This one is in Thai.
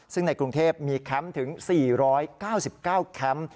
ซึ่งในกรุงเทพมีแคมป์ถึง๔๙๙แคมป์